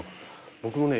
僕もね